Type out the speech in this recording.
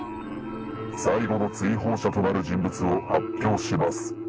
最後の追放者となる人物を発表します。